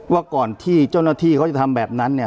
ว่าก่อนที่เจ้าหน้าที่เขาจะทำแบบนั้นเนี่ย